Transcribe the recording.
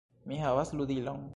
Mi havas ludilon!